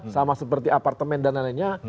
sama seperti apartemen dan lain lainnya